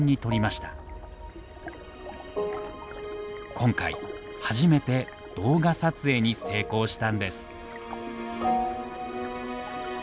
今回初めて動画撮影に成功したんです。